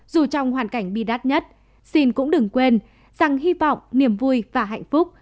dù trong hoàn cảnh bi đắt nhất xin cũng đừng quên rằng hy vọng niềm vui và hạnh phúc